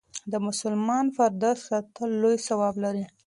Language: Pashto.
د مسلمان پرده ساتل لوی ثواب لري.